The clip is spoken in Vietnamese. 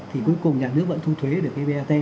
thì cuối cùng nhà nước vẫn thu thuế được cái vat